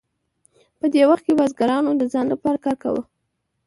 په دې وخت کې بزګرانو د ځان لپاره کار کاوه.